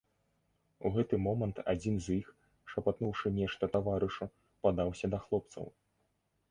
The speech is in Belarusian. У гэты момант адзін з іх, шапатнуўшы нешта таварышу, падаўся да хлопцаў.